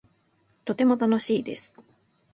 とても楽しいです